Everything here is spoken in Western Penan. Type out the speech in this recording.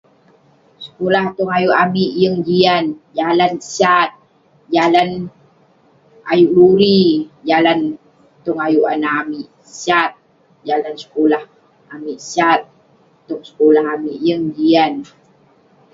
Sekulah tong ayuk amik yeng jian..jalan sat, jalan ayuk luri, jalan tong ayuk anah amik..sat, jalan sekulah amik sat..tong sekulah amik yeng jian..